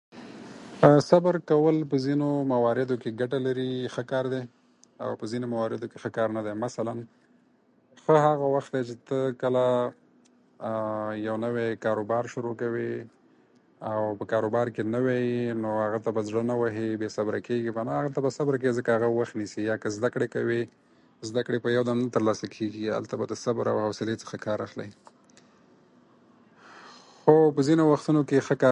صبر کول په ځینو مواردو کې ګټه لري، ښه کار دی، او په ځینو مواردو کې ښه کار نه دی. مثلاً ښه هغه وخت دی چې ته کله یو نوی کاروبار شروع کوې او په کاروبار کې نوی یې، نو هغه ته زړه نه وهې، نو بې صبره کېږي به نه [unintelligible] یا که زده کړې کوې، نو زده کړې یودم نه ترسره کېږي. نو هلته به له صبر او حوصلې څخه کار اخلې، خو په ځینو وختونو کې ښه کار